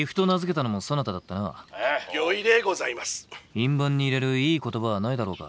印判に入れるいい言葉はないだろうか？